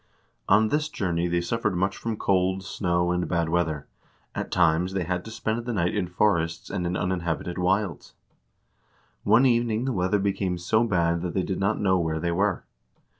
On this journey they suffered much from cold, snow, and bad weather ; at times they had to spend the night in forests and in uninhabited wilds. One evening the weather became so bad that they did not know where they were.